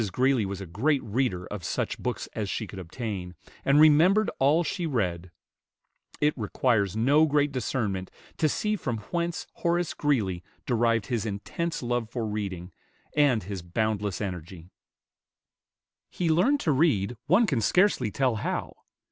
Greeley was a great reader of such books as she could obtain, and remembered all she read. It requires no great discernment to see from whence Horace Greeley derived his intense love for reading, and his boundless energy. [Illustration: HORACE GREELEY.] He learned to read, one can scarcely tell how.